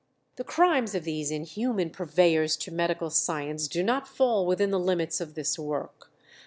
The crimes of these inhuman purveyors to medical science do not fall within the limits of this work.